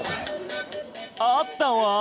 あったわ！